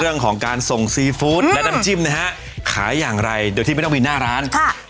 เรื่องของการส่งซีฟู้ดและน้ำจิ้มนะฮะขายอย่างไรโดยที่ไม่ต้องมีหน้าร้านค่ะ